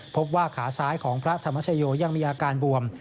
พบว่าขาซ้ายของพระธรรมชโยยังมีอาการบวม